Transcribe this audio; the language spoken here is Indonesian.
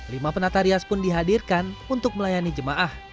lima penata rias pun dihadirkan untuk melayani jemaah